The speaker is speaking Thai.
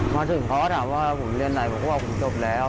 มาถึงเขาก็ถามว่าผมเรียนไหนผมก็บอกผมจบแล้ว